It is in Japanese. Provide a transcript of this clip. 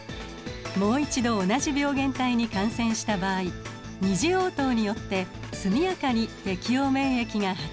もう一度同じ病原体に感染した場合二次応答によって速やかに適応免疫がはたらきます。